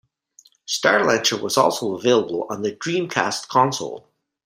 "Starlancer" was also available on the Dreamcast console.